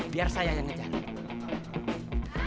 biar saya yang ngejar